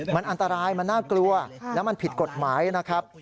มันอันตรายมันน่ากลัวแล้วมันผิดกฎหมายนะครับ